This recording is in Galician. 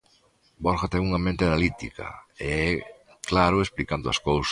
Borja ten unha mente analítica e é claro explicando as cousas.